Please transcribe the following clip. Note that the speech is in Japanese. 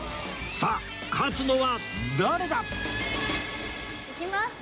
さあ勝つのは誰だ！？いきます！